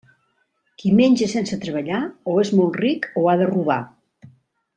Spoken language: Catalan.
Qui menja sense treballar, o és molt ric, o ha de robar.